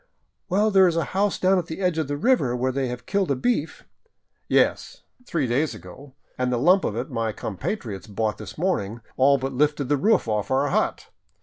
" Well, there is a house down at the edge of the river where they have killed a beef —"" Yes, three days ago ; and the lump of it my compatriots bought this morning all but lifted the roof off our hut.